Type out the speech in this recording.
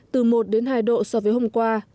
từ một đến hai độ so với hôm qua